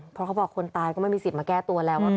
เพราะเขาบอกคนตายก็ไม่มีสิทธิ์มาแก้ตัวแล้ว